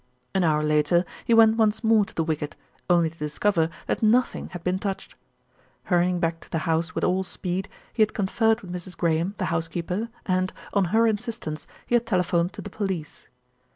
An hour later he went once more to the wicket, only to discover that nothing had been touched. Hurrying back to the house with all speed he had conferred with Mrs. Graham, the housekeeper, and, on her insistence, he had telephoned to the police.